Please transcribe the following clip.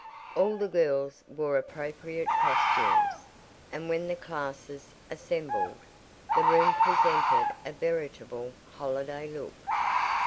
All the girls wore appropriate costumes, and, when the classes assembled, the room presented a veritable holiday look.